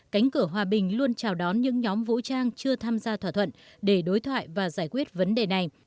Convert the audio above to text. cánh cửa hòa bình luôn chào đón những nhóm vũ trang chưa tham gia thỏa thuận để đối thoại và giải quyết vấn đề này